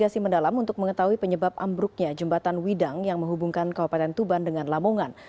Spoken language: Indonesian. kepolisian daerah jawa timur akan mengetahui penyebab ambruknya jembatan widang yang menghubungkan kabupaten tuban dengan lamongan